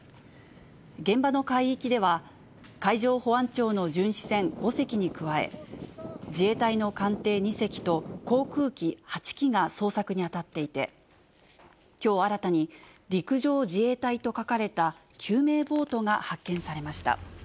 現場の海域では、海上保安庁の巡視船５隻に加え、自衛隊の艦艇２隻と航空機８機が捜索に当たっていて、きょう新たに陸上自衛隊と書かれた救命ボートが発見されました。